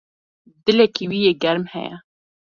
Dilekî wî yê germ heye.